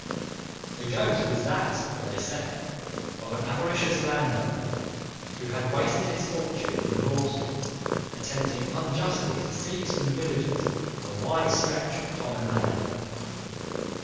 The ghost was that, they said, of an avaricious landowner who had wasted his fortune in lawsuits, attempting unjustly to seize from the villagers a wide stretch of common land.